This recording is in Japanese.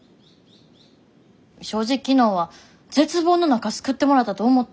正直昨日は絶望の中救ってもらったと思ってる。